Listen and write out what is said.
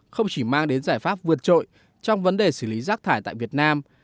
không chỉ mang đến giải pháp vượt trội trong vấn đề xử lý rác thải tại việt nam